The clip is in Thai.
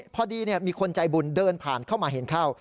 พอดีมีคนใจบุญเดินผ่านเข้ามาเห็นเข้า